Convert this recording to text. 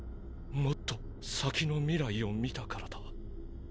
もっと先の未来を見たからだ。